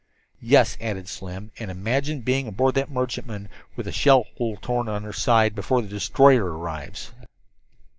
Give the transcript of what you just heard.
"Yes," added Slim, "and imagine being aboard that merchantman, with a shell hole torn in her side before the destroyer arrives!"